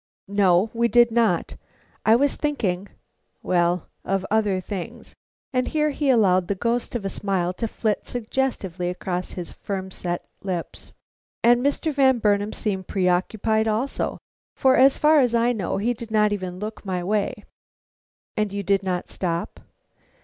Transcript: "No, we did not. I was thinking well of other, things," and here he allowed the ghost of a smile to flit suggestively across his firm set lips. "And Mr. Van Burnam seemed preoccupied also, for, as far as I know, he did not even look my way." "And you did not stop?"